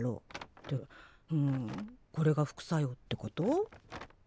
ってふんこれが副作用ってこと？